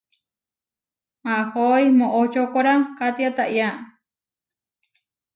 Mahói moʼochókora katia táʼya.